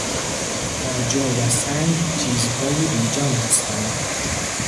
آجر و سنگ چیزهای بی جان هستند.